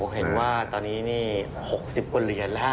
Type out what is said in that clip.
เห็นว่าตอนนี้๖๐บอลเหรียญแล้ว